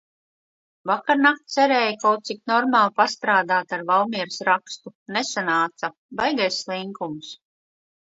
Vakarnakt cerēju kaut cik normāli pastrādāt ar Valmieras rakstu. Nesanāca. Baigais slinkums.